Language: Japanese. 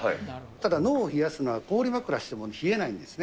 ただ、脳を冷やすのは氷枕しても冷えないんですね。